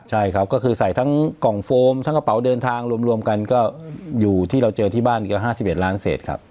ใช่ครับก็คือใส่ทั้งกล่องโฟมทั้งกระเป๋าเดินทางรวมกันก็อยู่ที่เราเจอที่บ้านก็๕๑ล้านเศษครับ